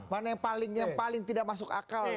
mana yang paling tidak masuk akal